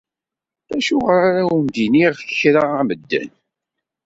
Acuɣer ara awen-d-iniɣ kra a medden?